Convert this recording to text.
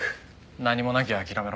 何もなきゃ諦めろ。